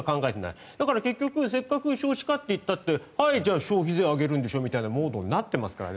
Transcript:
だから結局せっかく少子化っていったってはいじゃあ消費税上げるんでしょみたいなモードになってますからね。